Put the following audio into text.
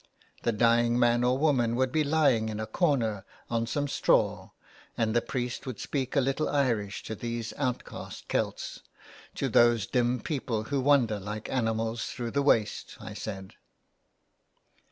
The dying man or woman would be lying in a corner on some straw, and the priest would speak a little Irish to these outcast Celts, "to those dim people who wander like animals through the waste,'' I said.